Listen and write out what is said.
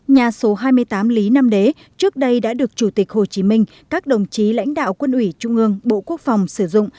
nhà số hai mươi tám lý nam đế trước đây đã được chủ tịch hồ chí minh các đồng chí lãnh đạo quân ủy trung ương bộ quốc phòng sử dụng